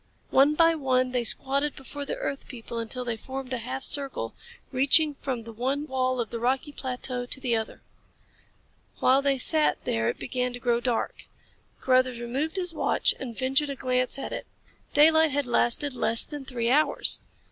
One by one they squatted before the earth people until they formed a half circle, reaching from the one wall of the rocky plateau to the other. While they sat there it began to grow dark. Carruthers removed his watch and ventured a glance at it. Daylight had lasted less then three hours.